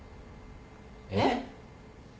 えっ？